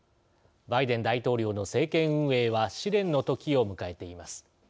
バイデン大統領の政権運営は試練の時を迎えています。